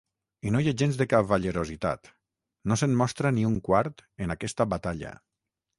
I no hi ha gens de cavallerositat, no se'n mostra ni un quart en aquesta batalla.